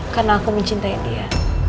karena aku mencintai dia